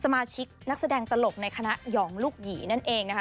นักแสดงตลกในคณะหยองลูกหยีนั่นเองนะคะ